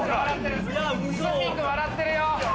「スンミン君笑ってるよ」